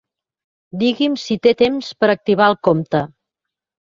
Digui'm si té temps per activar el compte.